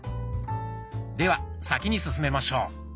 では先に進めましょう。